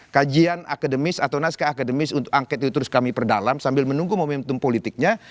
kajian akademis atau naskah akademis untuk angket itu terus kami perdalam sambil menunggu momentum politiknya